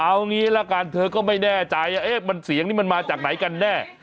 เอาอย่างนี้แล้วกันเธอก็ไม่แน่ใจเอ๊ะเสียงนี่มันมาจากไหนกันแน่